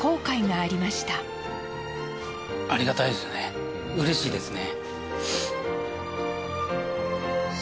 ありがたいですよねうれしいですね。